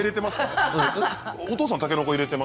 お父さんが。